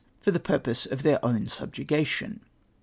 for the purpose of their own subjugation.